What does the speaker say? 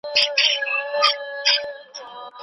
مکناټن په کابل کي ووژل شو.